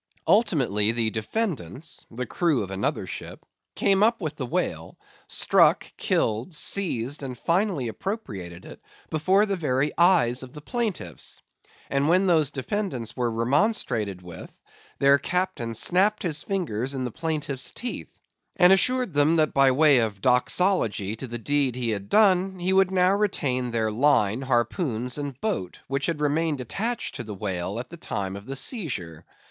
Ultimately the defendants (the crew of another ship) came up with the whale, struck, killed, seized, and finally appropriated it before the very eyes of the plaintiffs. And when those defendants were remonstrated with, their captain snapped his fingers in the plaintiffs' teeth, and assured them that by way of doxology to the deed he had done, he would now retain their line, harpoons, and boat, which had remained attached to the whale at the time of the seizure.